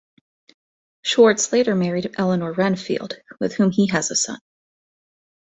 Schwartz later married Elinor Renfield, with whom he has a son.